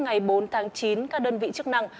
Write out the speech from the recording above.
ngày bốn tháng chín các đơn vị chức năng